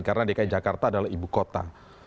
karena dki jakarta adalah ibu kota